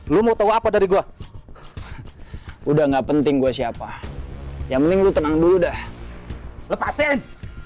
lu mau tahu apa dari gua udah nggak penting gua siapa yang mending lu tenang dulu dah lepasin